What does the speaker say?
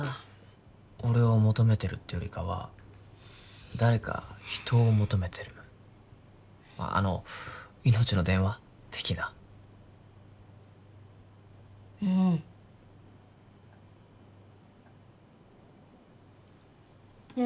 俺を求めてるっていうよりかは誰か人を求めてるあのいのちの電話？的なうんねえ